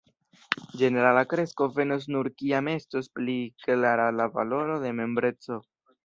”Ĝenerala kresko venos nur kiam estos pli klara la valoro de membreco”.